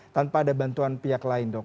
tanpa ada bantuan pihak lain dok